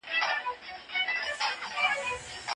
اوږې یې پورته واچولې او په خپله لاره لاړ.